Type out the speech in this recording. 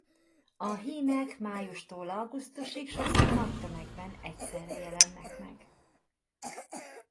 A hímek májustól augusztusig sokszor nagy tömegben egyszerre jelennek meg.